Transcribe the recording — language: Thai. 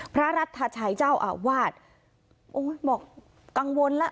พระรัฐชัยเจ้าอาวาสโอ้ยบอกกังวลแล้ว